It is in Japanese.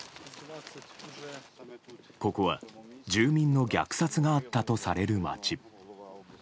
ここは住民の虐殺があったとされる街。